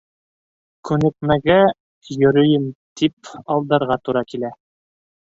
Күнекмәгә йөрөйөм тип алдарға тура килә.